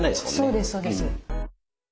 そうですそうです。